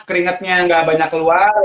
keringetnya gak banyak keluar